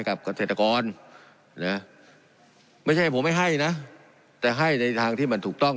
เกษตรกรนะไม่ใช่ผมไม่ให้นะแต่ให้ในทางที่มันถูกต้อง